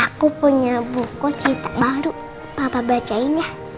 aku punya buku sih baru papa bacain ya